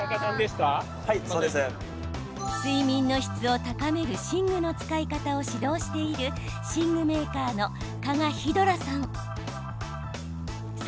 睡眠の質を高める寝具の使い方を指導している寝具メーカーの加賀照虎さんです。